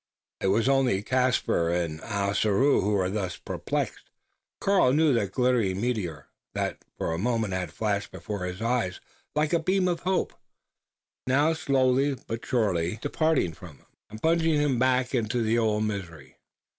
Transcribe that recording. It was only Caspar and Ossaroo who were thus perplexed. Karl knew that glittering meteor, that for a moment had flashed before his eyes like a beam of hope now slowly but surely departing from him, and plunging him back into the old misery.